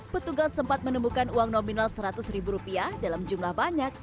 petugas sempat menemukan uang nominal seratus ribu rupiah dalam jumlah banyak